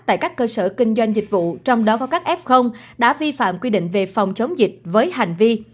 tại các cơ sở kinh doanh dịch vụ trong đó có các f đã vi phạm quy định về phòng chống dịch với hành vi